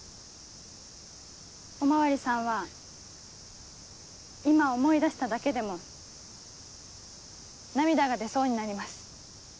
お巡りさんは今思い出しただけでも涙が出そうになります。